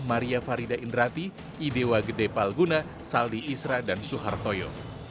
maria farida indrati idewa gede palguna saldi isra dan suhartoyo